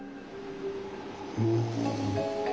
うん。